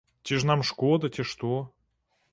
Ці ж нам шкода, ці што?